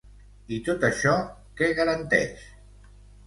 I tot això, què garanteix?